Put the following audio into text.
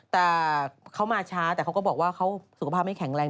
แต่เขามาช้าแต่เขาก็บอกว่าเขาสุขภาพไม่แข็งแรง